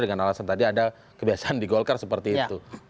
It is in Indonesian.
dengan alasan tadi ada kebiasaan di golkar seperti itu